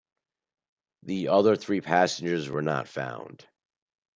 The other three passengers were not found.